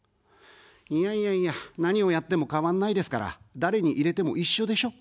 いやいやいや、何をやっても変わんないですから、誰に入れても一緒でしょ。